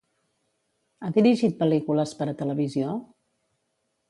Ha dirigit pel·lícules per a televisió?